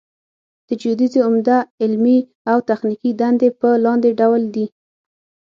د جیودیزي عمده علمي او تخنیکي دندې په لاندې ډول دي